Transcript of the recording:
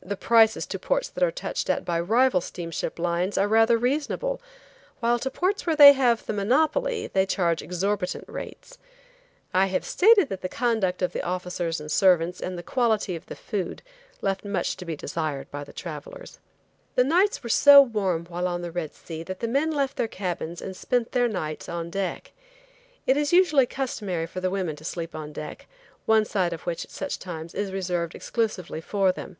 The prices to ports that are touched at by rival steamship lines are rather reasonable, while to ports where they have the monopoly they charge exorbitant rates. I have stated that the conduct of the officers and servants, and the quality of the food left much to be desired by travelers. The nights were so warm while on the Red Sea that the men left their cabins and spent their nights on deck. It is usually customary for the women to sleep on deck, one side of which, at such times, is reserved exclusively for them.